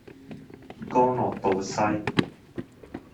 干諾道西